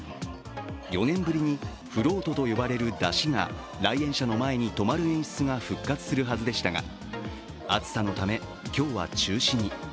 ４年ぶりにフロートと呼ばれる山車が来園者の前に止まるはずでしたが、暑さのため、今日は中止に。